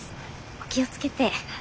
お気を付けて。